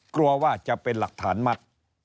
กลัวว่าจะเป็นหลักฐานมัด